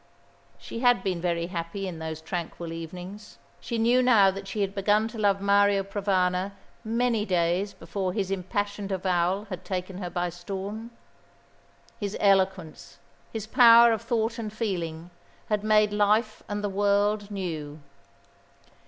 She had been very happy in those tranquil evenings. She knew now that she had begun to love Mario Provana many days before his impassioned avowal had taken her by storm. His eloquence, his power of thought and feeling, had made life and the world new.